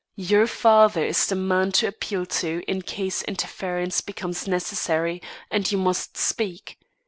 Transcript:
Your father is the man to appeal to in case interference becomes necessary and you must speak.